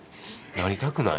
なりたくない。